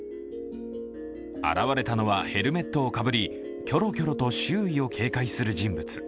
現れたのはヘルメットをかぶりキョロキョロと周囲を警戒する人物。